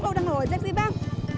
kalo udah gak ojek sih bang